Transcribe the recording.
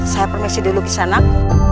saya permisi dulu kisah nak